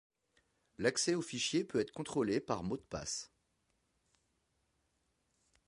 L'accès au fichier peut être contrôlé par mot de passe.